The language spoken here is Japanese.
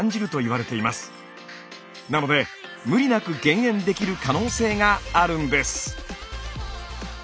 なので無理なく減塩できる可能性があるんです。